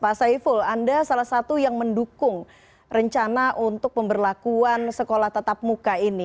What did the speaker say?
pak saiful anda salah satu yang mendukung rencana untuk pemberlakuan sekolah tatap muka ini